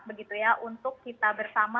begitu ya untuk kita bersama